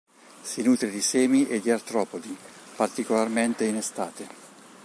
Si nutre di semi e di artropodi, particolarmente in estate.